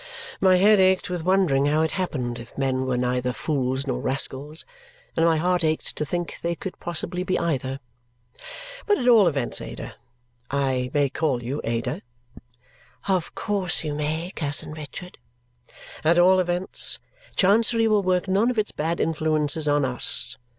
My head ached with wondering how it happened, if men were neither fools nor rascals; and my heart ached to think they could possibly be either. But at all events, Ada I may call you Ada?" "Of course you may, cousin Richard." "At all events, Chancery will work none of its bad influences on US.